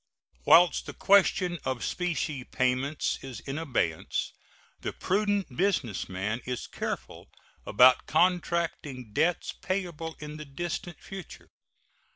Whilst the question of specie payments is in abeyance the prudent business man is careful about contracting debts payable in the distant future.